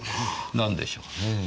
なんでしょうねぇ。